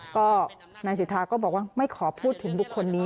ก็นายสิทธาก็บอกว่าไม่ขอพูดถึงบุคคลนี้